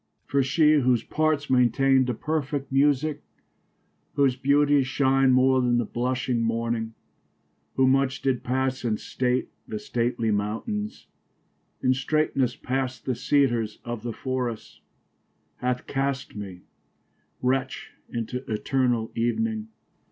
For she , whose parts maintainde a perfect musique, Whose beautie shin'de more then the blushing morning, Who much did passe in state the stately mountaines. In straightnes past the Cedars of the forrests , Hath cast me wretch into eternall evening.